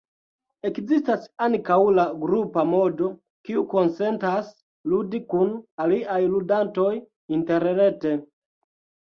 Ekzistas ankaŭ la "grupa modo", kiu konsentas ludi kun aliaj ludantoj interrete.